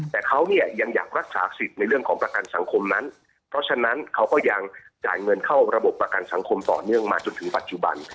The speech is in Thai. แต่เขาเนี่ยยังอยากรักษาสิทธิ์ในเรื่องของประกันสังคมนั้นเพราะฉะนั้นเขาก็ยังจ่ายเงินเข้าระบบประกันสังคมต่อเนื่องมาจนถึงปัจจุบัน